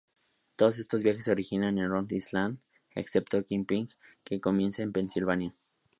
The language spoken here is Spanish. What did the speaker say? Todos estos viajes se originan en Rhode Island, excepto "Kingpin", que comienza en Pensilvania.